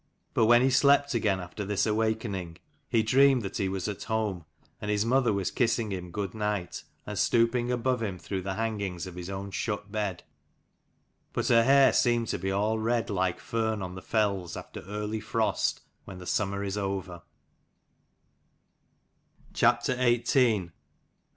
But when he slept again after this awakening, he dreamed that he was at home, and his mother was kissing him good night, and stoop ing above him through the hangings of his own shut bed : but her hair seemed to be all red like fern on the fells after early frost when the summer is over.